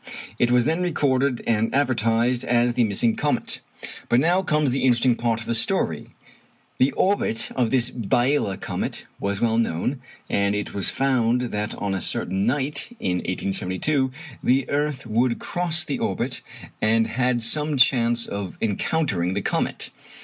It was then recorded and advertised as the missing comet. But now comes the interesting part of the story. The orbit of this Biela comet was well known, and it was found that on a certain night in 1872 the earth would cross the orbit, and had some chance of encountering the comet.